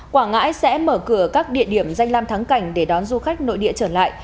quảng ngãi sẽ mở cửa các địa điểm danh lam thắng cảnh để đón du khách nội địa trở lại